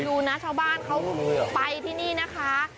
ดูนะชาวบ้านเขาไปที่นี่นะคะ